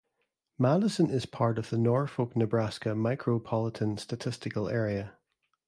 Madison is part of the Norfolk, Nebraska Micropolitan Statistical Area.